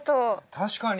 確かに。